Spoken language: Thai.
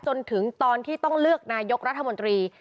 จนถึงตอนที่ต้องเลือกนายกรัฐมนตรี